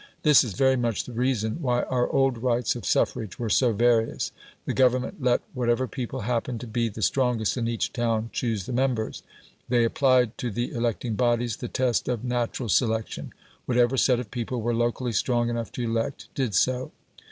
This is very much the reason why our old rights of suffrage were so various; the Government let whatever people happened to be the strongest in each town choose the members. They applied to the electing bodies the test of "natural selection"; whatever set of people were locally strong enough to elect, did so.